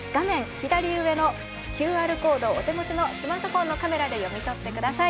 左上のＱＲコードをお手持ちのスマートフォンのカメラで読み取ってください。